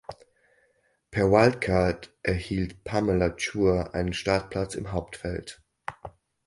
Per Wildcard erhielt Pamela Chua einen Startplatz im Hauptfeld.